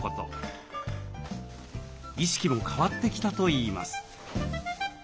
意識も変わってきたといいます。